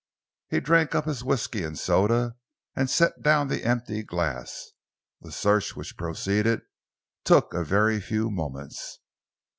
He drank up his whisky and soda and set down the empty glass. The search which proceeded took a very few moments.